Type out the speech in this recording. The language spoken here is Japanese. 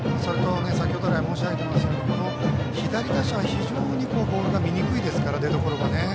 先程から申し上げていますように左打者、非常にボールが見にくいですから出どころがね。